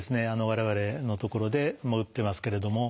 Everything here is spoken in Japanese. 我々のところで打ってますけれども。